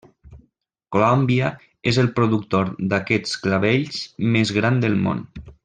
Colòmbia és el productor d'aquests clavells més gran del món.